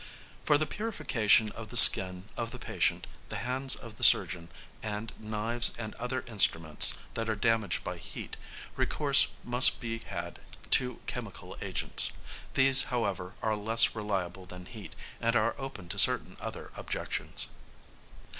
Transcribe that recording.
# For the purification of the skin of the patient, the hands of the surgeon, and knives and other instruments that are damaged by heat, recourse must be had to chemical agents. These, however, are less reliable than heat, and are open to certain other objections.